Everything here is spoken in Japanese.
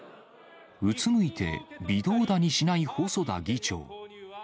うつむいて、微動だにしない細田議長。